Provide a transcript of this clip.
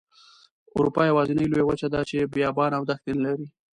اروپا یوازینۍ لویه وچه ده چې بیابانه او دښتې نلري.